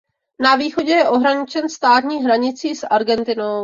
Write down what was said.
Na východě je ohraničen státní hranicí s Argentinou.